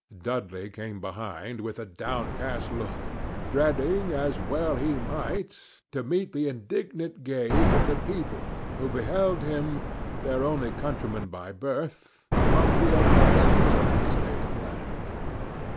Dudley came behind with a downcast look, dreading, as well he might, to meet the indignant gaze of the people, who beheld him, their only countryman by birth, among the oppressors of his native land.